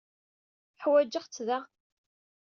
Ḥwajeɣ-tt da.